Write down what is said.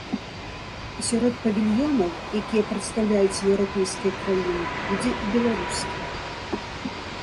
Сярод павільёнаў, якія прадстаўляюць еўрапейскія краіны, будзе і беларускі.